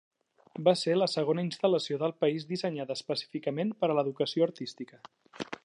Va ser la segona instal·lació del país dissenyada específicament per a l'educació artística.